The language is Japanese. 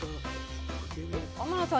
天野さん